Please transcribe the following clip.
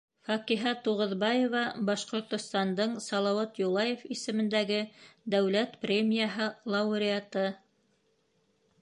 Факиһа Туғыҙбаева, Башҡортостандың Салауат Юлаев исемендәге дәүләт премияһы лауреаты.